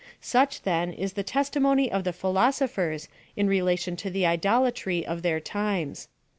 Such, then, is the testimony of the philo sophers in relation to the idolatry of their times.